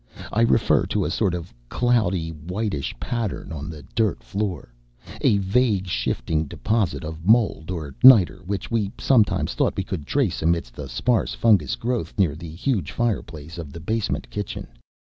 I refer to a sort of cloudy whitish pattern on the dirt floor a vague, shifting deposit of mold or niter which we sometimes thought we could trace amidst the sparse fungous growths near the huge fireplace of the basement kitchen.